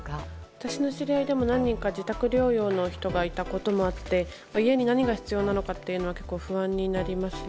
私の知り合いにも何人か自宅療養の人がいたこともあって家に何が必要なのかというのは結構不安になりますね。